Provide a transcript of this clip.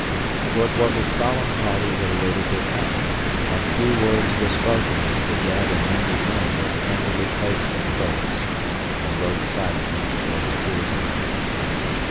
So it was a solemn party that awaited their coming, and few words were spoken as the dead and wounded men were tenderly placed in boats and rowed silently toward the cruiser.